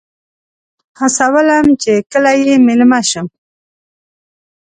هڅولم چې کله یې میلمه شم.